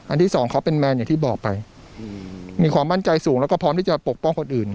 ที่สองเขาเป็นแมนอย่างที่บอกไปมีความมั่นใจสูงแล้วก็พร้อมที่จะปกป้องคนอื่น